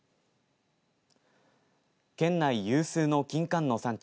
県内有数のきんかんの産地